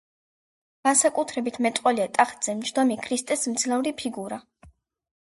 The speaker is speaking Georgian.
განსაკუთრებით მეტყველია ტახტზე მჯდომი ქრისტეს მძლავრი ფიგურა.